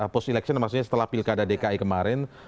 post election maksudnya setelah pilkada dki kemarin